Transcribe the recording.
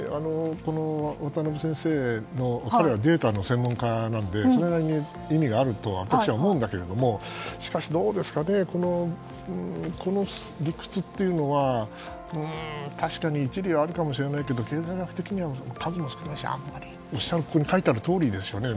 渡辺先生、データの専門家なのでそれなりに意味があると私は思うんですがしかし、この理屈というのは確かに一理あるかもしれないけど経済学的には数も少ないし書いてあるとおりですよね。